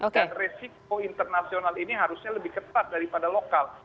resiko internasional ini harusnya lebih ketat daripada lokal